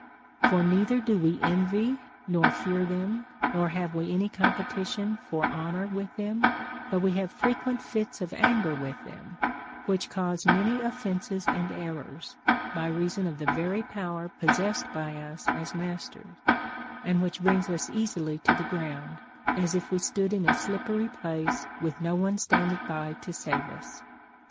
For neither do we envy nor fear them, nor have we any competition for honor Avith them ; but we have frequent fits of anger with them, which cause many offences and errors, by reason of the very power possessed 48 CONCERNING THE CURE OF ANGER. by US as masters, and which bring us easily to the ground, as if we stood in a slippery place with no one standing by to save us.